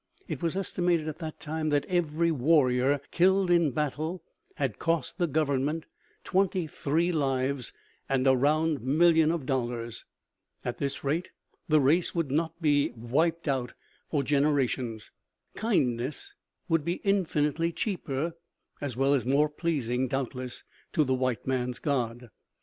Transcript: It was estimated at this time that every warrior killed in battle had cost the Government twenty three lives and a round million of dollars. At this rate, the race would not be "wiped out" for generations. Kindness would be infinitely cheaper, as well as more pleasing, doubtless, to the white man's God!